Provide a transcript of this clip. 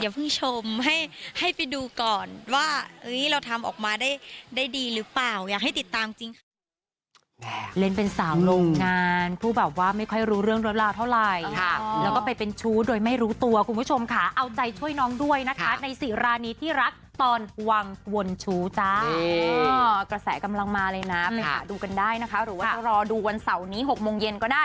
เพิ่งชมให้ไปดูก่อนว่าเราทำออกมาได้ดีหรือเปล่าอยากให้ติดตามจริงค่ะ